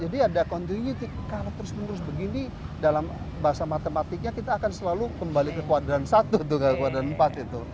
jadi ada continuity kalau terus menerus begini dalam bahasa matematiknya kita akan selalu kembali ke kuadran satu atau kekuadran empat itu